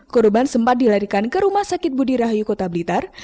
korban sempat dilarikan ke rumah sakit budi rahayu kota blitar